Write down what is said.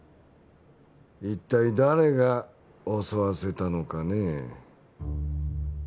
一体誰が襲わせたのかねえ。